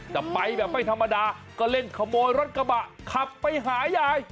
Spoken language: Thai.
แต่ไปแบบไม่ธรรมดาก็เล่นขโมยรถกระบะขับไปหายาย